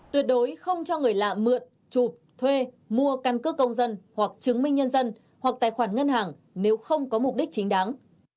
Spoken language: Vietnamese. tuyệt đối không cho người lạ mượn chụp thuê mua căn cước công dân hoặc chứng minh nhân dân hoặc tài khoản ngân hàng nếu không có mục đích chính đáng